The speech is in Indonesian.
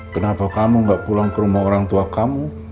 kenapa kamu gak pulang ke rumah orang tua kamu